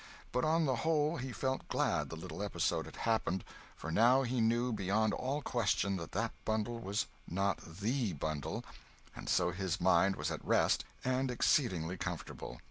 But on the whole he felt glad the little episode had happened, for now he knew beyond all question that that bundle was not the bundle, and so his mind was at rest and exceedingly comfortable.